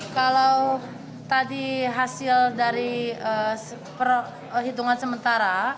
kalau tadi hasil dari perhitungan sementara